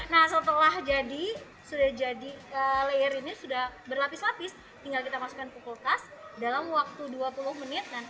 nah setelah jadi layer ini sudah berlapis lapis tinggal kita masukkan ke kulkas dalam waktu dua puluh menit nanti sudah bisa disimpan